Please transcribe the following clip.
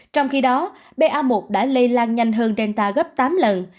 trong khi đó ba một đã lây lan nhanh hơn delta gấp tám lần